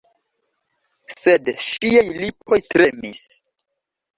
Sed ŝiaj lipoj tremis.